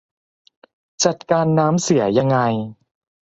จัดการน้ำเสียยังไง